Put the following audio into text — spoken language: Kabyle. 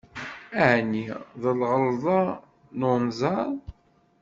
Ɛni d lɣelḍa n unẓar?